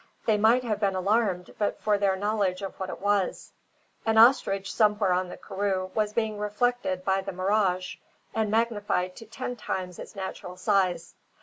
They might have been alarmed but for their knowledge of what it was. An ostrich somewhere on the karroo was being reflected by the mirage, and magnified to ten times its natural size.